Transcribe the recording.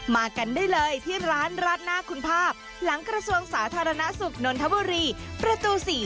มากันได้เลยที่ร้านราดหน้าคุณภาพหลังกระทรวงสาธารณสุขนนทบุรีประตู๔